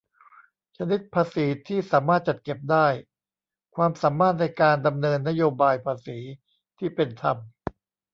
ชนิดภาษีที่สามารถจัดเก็บได้-ความสามารถในการดำเนินนโยบายภาษีที่เป็นธรรม